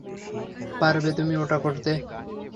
পারবে তুমি ওটা করতে?